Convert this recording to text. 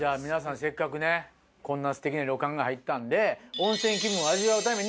せっかくねこんなすてきな旅館入ったんで。